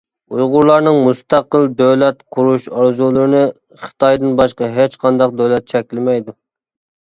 ئۇيغۇرلارنىڭ مۇستەقىل دۆلەت قۇرۇش ئارزۇلىرىنى خىتايدىن باشقا ھېچ قانداق دۆلەت چەكلىمەيدۇ.